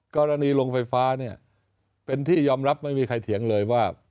กรณีโรงไฟฟ้าเนี่ยเป็นที่ยอมรับไม่มีใครเถียงเลยว่า